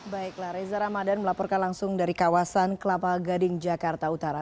baiklah reza ramadan melaporkan langsung dari kawasan kelapa gading jakarta utara